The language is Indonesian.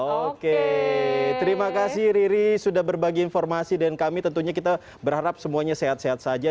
oke terima kasih riri sudah berbagi informasi dan kami tentunya kita berharap semuanya sehat sehat saja